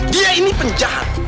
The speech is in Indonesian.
dia ini penjahat